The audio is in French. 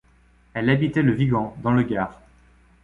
Elle habitait Le Vigan, dans le Gard.